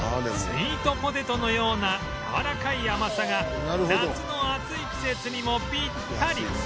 スイートポテトのようなやわらかい甘さが夏の暑い季節にもピッタリ